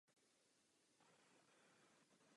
Velitelem divize je zpravidla generálmajor.